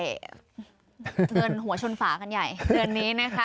เงินหัวชนฝากันใหญ่เดือนนี้นะคะ